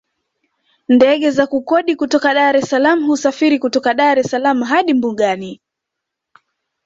Ndege za kukodi kutoka Dar es salaam husafiri kutoka Dar es Salaam hadi mbugani